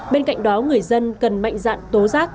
bên cạnh đó người dân cần mạnh dạn tố giác